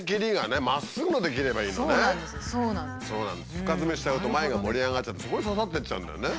深ヅメしちゃうと前が盛り上がっちゃってそこに刺さってっちゃうんだよね。